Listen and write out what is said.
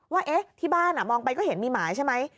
ว่าที่บ้านมองไปก็เห็นมีหมาใช่ไหม